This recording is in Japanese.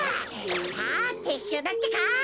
さあてっしゅうだってか！